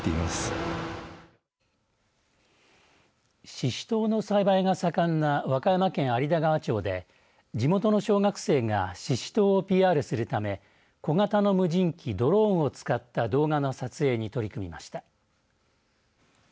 ししとうの栽培が盛んな和歌山県有田川町で地元の小学生がししとうをＰＲするため小型の無人機ドローンを使った動画の撮影に取り組みました。